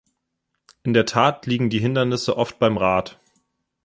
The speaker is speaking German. In der Tat liegen die Hindernisse oft beim Rat.